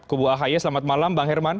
kubu ahaya selamat malam bang herman